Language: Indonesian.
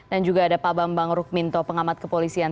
dan juga ada pak bambang rukminto pengamat kepolisian